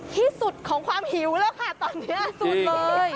ที่สุดของความหิวแล้วค่ะตอนนี้สุดเลย